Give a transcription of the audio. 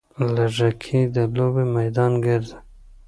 لږکي د لوبې میدان ګرځي.